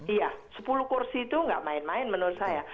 iya sepuluh kursi itu nggak main main menurut saya